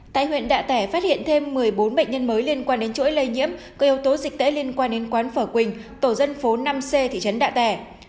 thêm một mươi bốn bệnh nhân mới liên quan đến chuỗi lây nhiễm có yếu tố dịch tễ liên quan đến quán phở quỳnh tổ dân phố năm c thị trấn đạ tẻ